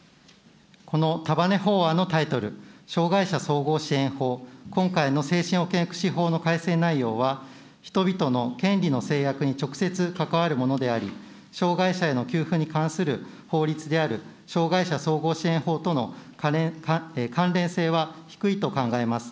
この束ね法案のタイトル、障害者総合支援法、今回の精神保健福祉法の改正内容は、人々の権利の制約に直接、関わるものであり、障害者への給付に関する法律である、障害者総合支援法との関連性は低いと考えます。